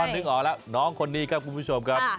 นึกออกแล้วน้องคนนี้ครับคุณผู้ชมครับ